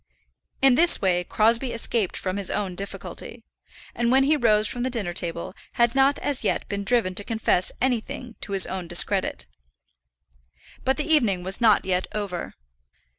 In this way Crosbie escaped from his own difficulty; and when he rose from the dinner table had not as yet been driven to confess anything to his own discredit. But the evening was not yet over.